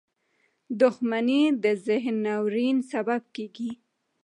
• دښمني د ذهني ناورین سبب کېږي.